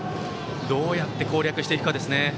どうやって攻略していくかですね。